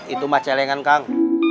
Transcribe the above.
itu mah celengan kang